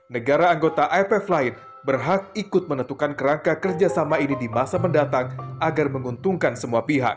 negara anggota ipf lain berhak ikut menentukan kerangka kerjasama ini di masa mendatang agar menguntungkan semua pihak